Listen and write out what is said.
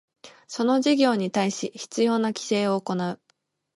その事業に対し必要な規制を行う